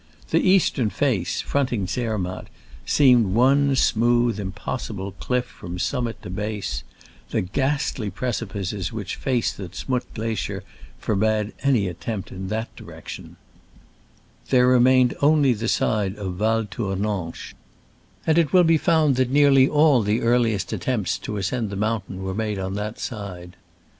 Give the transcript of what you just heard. The eastern face, fronting Zermatt, seemed one smooth, impossible cliff from summit to base : the ghastly preci pices which face the Z'Mutt glacier for bade any attempt in that direction. There remained only the side of Val Tournanche, and it will be found that Digitized by Google 3S SCRAMBLES AMONGST THE ALPS IN i86o '69. nearly all the earliest attempts to ascend the mountain were made on that side.